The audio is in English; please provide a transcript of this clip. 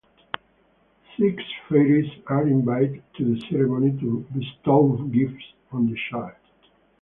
Six fairies are invited to the ceremony to bestow gifts on the child.